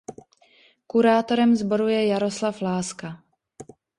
Kurátorem sboru je Jaroslav Láska.